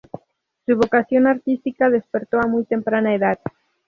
Su vocación artística despertó a muy temprana edad.